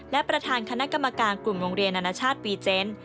และประธานคณะกรรมการกลุ่มโรงเรียนนานาชาติวีเจนต์